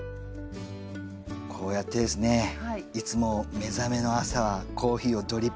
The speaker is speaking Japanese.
こうやってですねいつも目覚めの朝はコーヒーをドリップしてですね